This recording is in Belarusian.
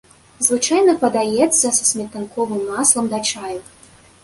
Звычайна падаецца я са сметанковым маслам да чаю.